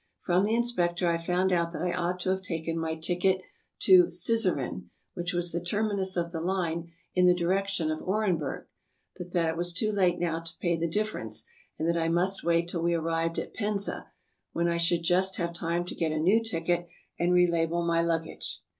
From the inspector I found out that I ought to have taken my ticket to Sizeran, which was the terminus of the line in the direction of Orenburg, but that it was too late now to pay the difference, and that I must wait till we arrived at Penza, when I should just have time to get a new ticket, and re label my luggage.